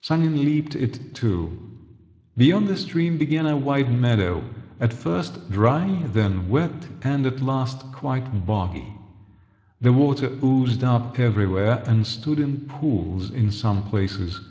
Sanin leaped it too. Beyond the stream began a wide meadow, at first dry, then wet, and at last quite boggy; the water oozed up everywhere, and stood in pools in some places.